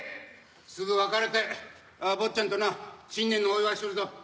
すぐ別れて坊ちゃんとな新年のお祝いするぞ。